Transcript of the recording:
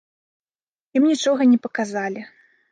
Ім нічога не паказалі.